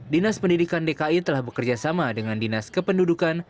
dinas pendidikan dki telah bekerjasama dengan dinas kependudukan